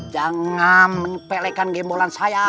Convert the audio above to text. jangam mempelekan gembolan saya